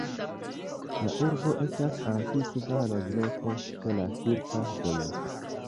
La urbo estas antikva loĝloko ĉe la Silka Vojo.